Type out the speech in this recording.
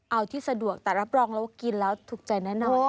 เอาที่สะดวกแต่รับรองแล้วว่ากินแล้วถูกใจแน่นอน